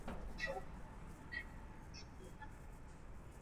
Anapenda kutembea kando ya bahari.